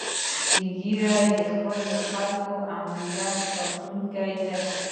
سپین ږیری د خپلو خلکو د امنیت ساتونکي دي